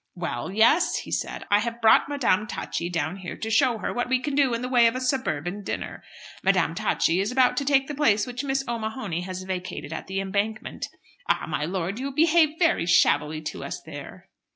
"Well, yes," he said, "I have brought Madame Tacchi down here to show her what we can do in the way of a suburban dinner. Madame Tacchi is about to take the place which Miss O'Mahony has vacated at 'The Embankment.' Ah, my lord, you behaved very shabbily to us there."